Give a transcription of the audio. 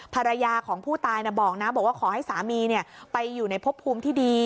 ภรรยาของผู้ตายบอกนะบอกว่าขอให้สามีไปอยู่ในพบภูมิที่ดี